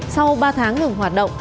sau ba tháng lường hoạt động